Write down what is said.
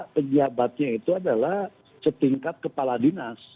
pejabatnya itu adalah setingkat kepala dinas